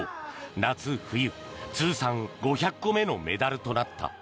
夏冬通算５００個目のメダルとなった。